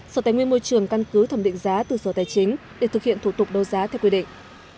sở tài nguyên môi trường căn cứ thẩm định giá từ sở tài chính để thực hiện thủ tục đô giá theo quy định